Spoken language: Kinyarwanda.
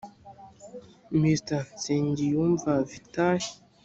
mr nsengiyumva vital